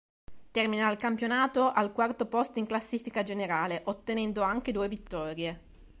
Termina il campionato al quarto posto in classifica generale, ottenendo anche due vittorie.